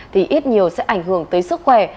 thì ít nhiều sẽ ảnh hưởng tới sức khỏe